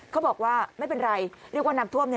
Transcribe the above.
เขาบอกว่าไม่เป็นไรเรียกว่าน้ำท่วมเนี่ย